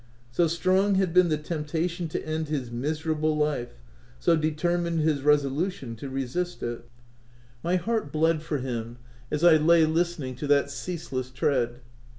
So strong had been the temptation to end his miserable life, so determined his resolution to resist it. OF WILDFELL HALL. 19 My heart bled for him as I lay listening to that ceaseless tread.